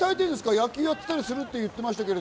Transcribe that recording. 野球やってたりするって言ってましたけど。